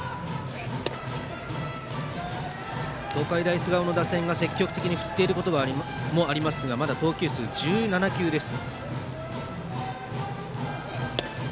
東海大菅生の打線が積極的に振っていることもありますがまだ投球数１７球です。